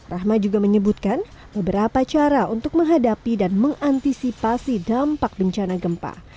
rahma juga menyebutkan beberapa cara untuk menghadapi dan mengantisipasi dampak bencana gempa